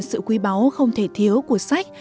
sự quý báu không thể thiếu của sách